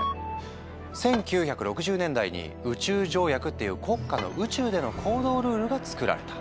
１９６０年代に「宇宙条約」っていう国家の宇宙での行動ルールが作られた。